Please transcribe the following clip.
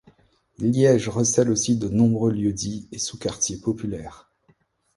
Liège recèle aussi de nombreux lieux-dits et sous-quartiers populaires.